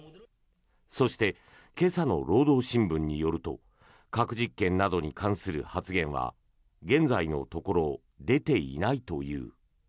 そして、今朝の労働新聞によると核実験などに関する発言は現在のところ出ていないという。